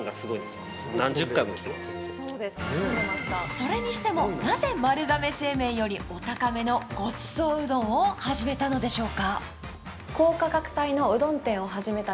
それにしてもなぜ丸亀製麺よりお高めのご馳走うどんを始めたのでしょうか？